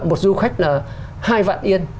một du khách là hai vạn yên